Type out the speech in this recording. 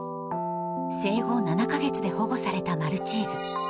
生後７か月で保護されたマルチーズ。